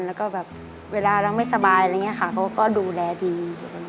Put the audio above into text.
แล้วก็แบบเวลาเราไม่สบายอะไรอย่างนี้ค่ะเขาก็ดูแลดี